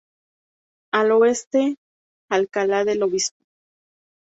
Al oeste Alcalá del Obispo.